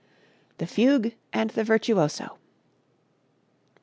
The Fugue and the Virtuoso.